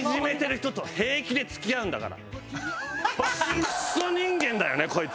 クソ人間だよねこいつ。